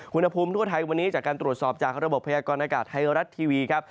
อุณหภูมิทั่วไทยวันนี้จากการตรวจสอบจากระบบพยากรณากาศไทยรัฐทีวีครับ